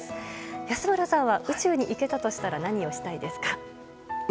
安村さんは宇宙に行けたとしたら、何をしたいですか。